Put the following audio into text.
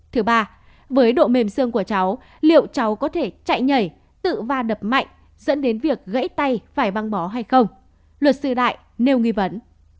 thứ ba với độ mềm xương của cháu liệu cháu có thể chạy nhảy tự va đập mạnh dẫn đến việc gãy tay phải băng bỏ hay không luật sư đại nêu nghi vấn